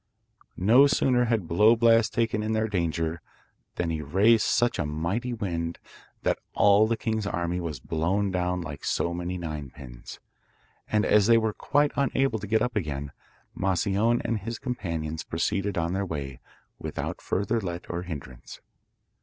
No sooner had Blow Blast taken in their danger than he raised such a mighty wind that all the king's army was blown down like so many nine pins, and as they were quite unable to get up again, Moscione and his companions proceeded on their way without further let or hindrance.